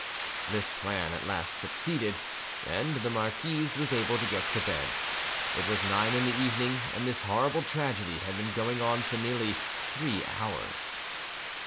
This plan at last succeeded, and the marquise was able to get to bed; it was nine in the evening, and this horrible tragedy had been going on for nearly three hours.